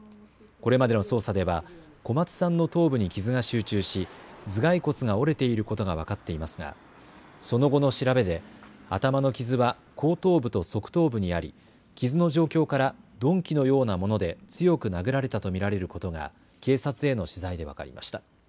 これまでの捜査では小松さんの頭部に傷が集中し頭蓋骨が折れていることが分かっていますがその後の調べで頭の傷は後頭部と側頭部にあり傷の状況から鈍器のようなもので強く殴られたと見られることが警察への取材で分かりました。